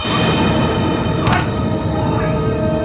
ชื่อฟอยแต่ไม่ใช่แฟง